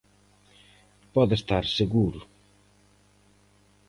Pode estar seguro.